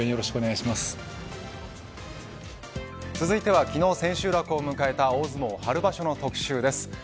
続いては昨日、千秋楽を迎えた大相撲春場所の特集です。